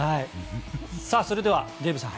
それではデーブさん